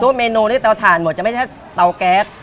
เมนูนี้เตาถ่านหมดจะไม่ใช่เตาแก๊ส